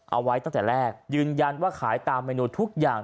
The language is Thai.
เอาไว้ตั้งแต่แรกยืนยันว่าขายตามเมนูทุกอย่าง